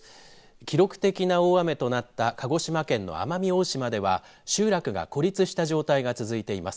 記録的な大雨となった鹿児島県の奄美大島では集落が孤立した状態が続いています。